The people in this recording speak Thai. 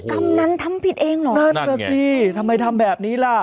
กำนันทำผิดเองเหรอนั่นแหละสิทำไมทำแบบนี้ล่ะ